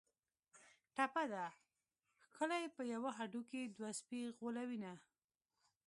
ټپه ده: ښکلي په یوه هډوکي دوه سپي غولوینه